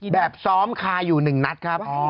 แบบซ้อมคาอยู่๑นัดครับ